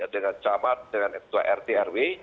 dengan camat dengan ketua rt rw